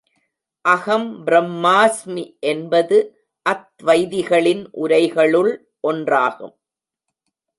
அஹம் ப்ரம்ஹாஸ்மி என்பது, அத்வைதிகளின் உரைகளுள் ஒன்றாகும்.